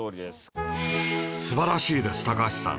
素晴らしいです高橋さん